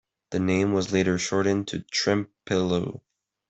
The name was later shortened to Trempealeau.